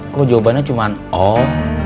kok jawabannya cuma oh